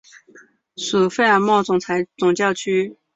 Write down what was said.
属费尔莫总教区。